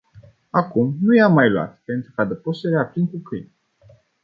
Acum nu i-am mai luat, pentru că adăpostul era plin cu câini.